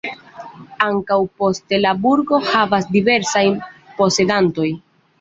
Ankaŭ poste la burgo havas diversajn posedantoj.